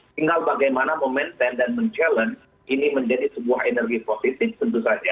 tinggal bagaimana memaintain dan mencallenge